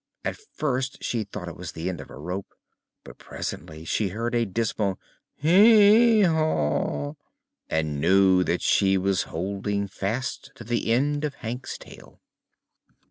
At first she thought it was the end of a rope, but presently she heard a dismal "Hee haw!" and knew she was holding fast to the end of Hank's tail.